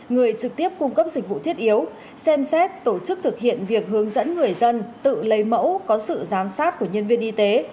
người trực tiếp cung cấp dịch vụ thiết yếu xem xét tổ chức thực hiện việc hướng dẫn người dân tự lấy mẫu có sự giám sát của nhân viên y tế